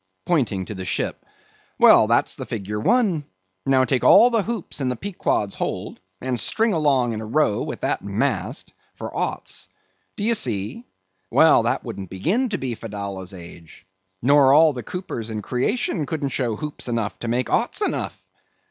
pointing to the ship; "well, that's the figure one; now take all the hoops in the Pequod's hold, and string along in a row with that mast, for oughts, do you see; well, that wouldn't begin to be Fedallah's age. Nor all the coopers in creation couldn't show hoops enough to make oughts enough."